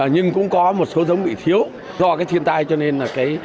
nhưng cũng có một số giống bị thiếu do cái thiên tai cho nên là